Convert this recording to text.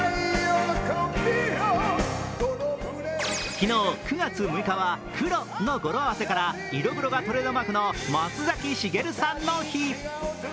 昨日９月６日はクロの語呂合わせから、色黒がトレードマークの松崎しげるさんの日。